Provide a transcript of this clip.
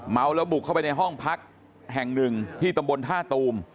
เมาแล้วบุกเข้าไปในห้องพักแห่งหนึ่งที่ตำบลท่าตูม